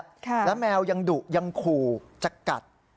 แล้วแมวยังดุยังขู่จะกัด